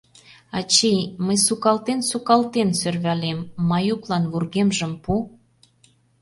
Ачий, мый сукалтен-сукалтен сӧрвалем: Маюклан вургемжым пу!